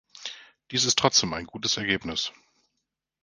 Dies ist trotzdem ein gutes Ergebnis.